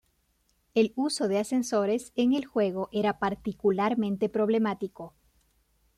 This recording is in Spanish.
El uso de ascensores en el juego era particularmente problemático.